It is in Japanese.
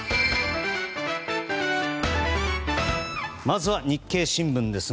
まずは日経新聞です。